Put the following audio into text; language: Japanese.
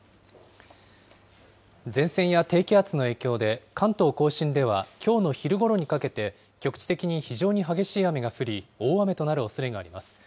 前線や低気圧の影響で、関東甲信ではきょうの昼ごろにかけて、局地的に非常に激しい雨が降り、大雨となるおそれがあります。